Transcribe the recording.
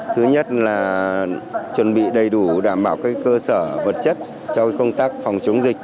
thứ nhất là chuẩn bị đầy đủ đảm bảo các cơ sở vật chất cho công tác phòng chống dịch